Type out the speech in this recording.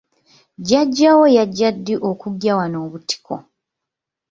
Jjajjaawo yajja ddi okuggya wano obutiko?